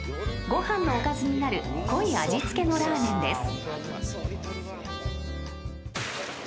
ご飯のおかずになる濃い味付けのラーメンです］